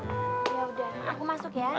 ya udah aku masuk ya